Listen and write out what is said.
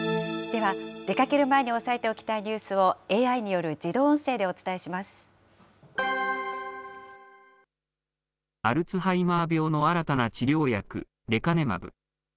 では出かける前に押さえておきたいニュースを、ＡＩによる自アルツハイマー病の新たな治療薬、レカネマブ。